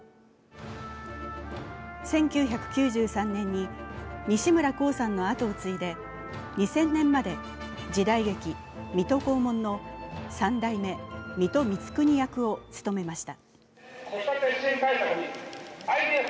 １９９３年に西村晃さんの後を継いで、２０００年まで時代劇「水戸黄門」の３代目・水戸光圀役を務めました。